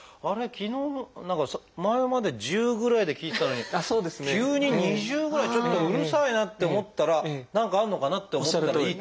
昨日の何か前まで１０ぐらいで聞いてたのに急に２０ぐらいちょっとうるさいなって思ったら何かあるのかな？って思ったらいいってことですね。